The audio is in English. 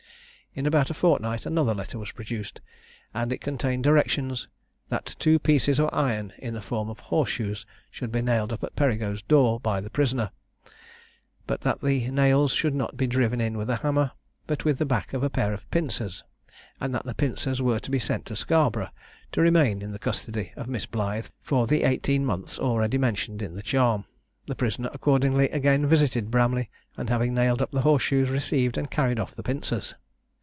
In about a fortnight, another letter was produced; and it contained directions, that two pieces of iron in the form of horse shoes should be nailed up at Perigo's door, by the prisoner, but that the nails should not be driven in with a hammer, but with the back of a pair of pincers, and that the pincers were to be sent to Scarborough, to remain in the custody of Miss Blythe for the eighteen months already mentioned in the charm. The prisoner accordingly again visited Bramley, and having nailed up the horse shoes received and carried off the pincers.